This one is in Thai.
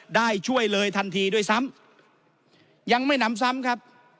ช่วยเลยทันทีด้วยซ้ำยังไม่หนำซ้ำครับ